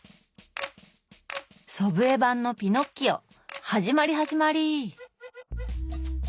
祖父江版の「ピノッキオ」始まり始まり。